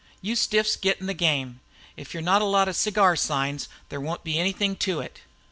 You stiffs get in the game. If you're not a lot of cigar signs there won't be anything to it."